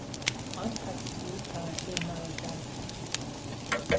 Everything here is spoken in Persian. آن تصویر توجه مرا جلب کرد.